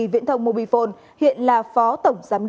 và mô phạm